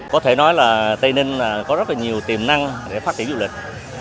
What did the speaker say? có thể nói là tây ninh có rất là nhiều tiềm năng để phát triển du lịch